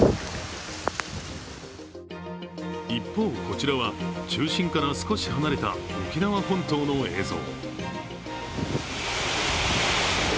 一方、こちらは中心から少し離れた沖縄本島の映像。